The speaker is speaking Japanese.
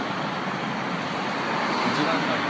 一番乗り。